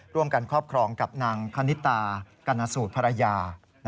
ร่วมกันครอบครองกับนางคณิตากณสูตรภรรยา